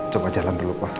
coba jalan dulu pak